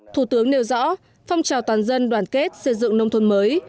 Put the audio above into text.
thủ tướng nêu rõ phong trào toàn dân đoàn kết xây dựng nông thôn mới